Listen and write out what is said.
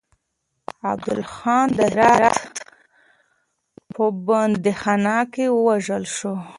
عبدالله خان د هرات په بنديخانه کې ووژل شو.